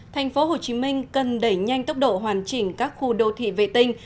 tp hcm cần đẩy nhanh tốc độ hoàn chỉnh các khu đô thị vệ tinh